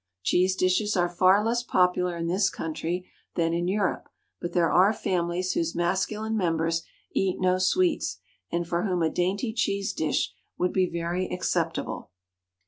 Cheese dishes are far less popular in this country than in Europe, but there are families whose masculine members eat no sweets, and for whom a dainty cheese dish would be very acceptable.